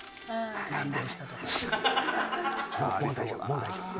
もう大丈夫